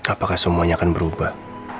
apakah semuanya akan berubah